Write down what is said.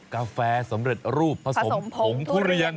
กาแฟสำเร็จรูปผสมผงทุเรียน